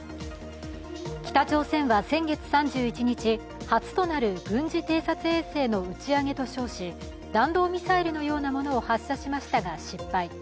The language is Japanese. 北朝鮮は先月３１日、初となる軍事偵察衛星の打ち上げと称し弾道ミサイルのようなものを発射しましたが失敗。